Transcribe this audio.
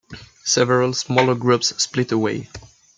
Several smaller groups split away.